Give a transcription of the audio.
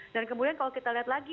dan kemudian kalau kita lihat lagi